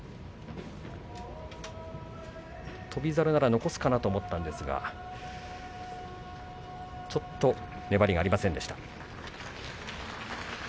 翔猿なら残すかなと思ったんですがちょっと粘りがありませんでした。